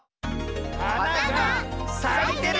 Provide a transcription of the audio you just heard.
はながさいてる！